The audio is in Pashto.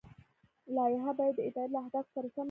لایحه باید د ادارې له اهدافو سره سمه وي.